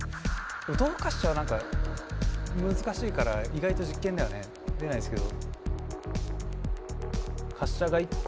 動滑車は何か難しいから意外と実験ではね出ないですけど。